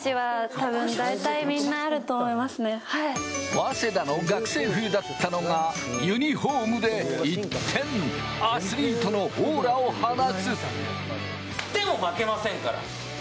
早稲田の学生風だったのが、ユニホームで一転、アスリートのオーラを放つ！